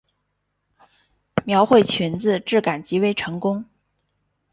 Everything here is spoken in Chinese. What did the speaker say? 描绘裙子质感极为成功